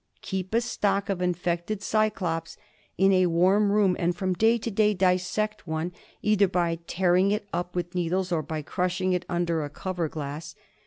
Keep a stock of infected cycloj>s in a warm room and from day to day dissect one, either by tearing it up with needles or by crushing it under a cover glass.